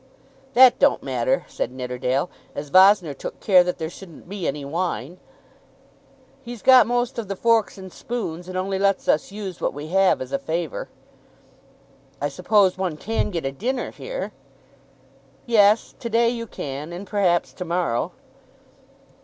"That don't matter," said Nidderdale, "as Vossner took care that there shouldn't be any wine." "He's got most of the forks and spoons, and only lets us use what we have as a favour." "I suppose one can get a dinner here?" "Yes; to day you can, and perhaps to morrow."